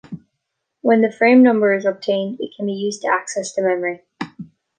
When the frame number is obtained, it can be used to access the memory.